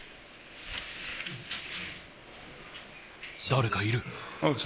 誰かいる。